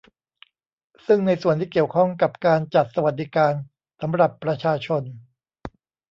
ซึ่งในส่วนที่เกี่ยวข้องกับการจัดสวัสดิการสำหรับประชาชน